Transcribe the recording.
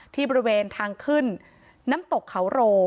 ที่บริเวณทางขึ้นน้ำตกเขาโร